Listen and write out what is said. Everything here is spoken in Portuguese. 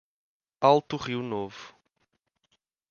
Alto Rio Novo